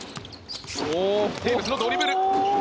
テーブスのドリブル。